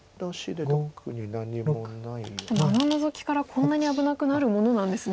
でもあのノゾキからこんなに危なくなるものなんですね。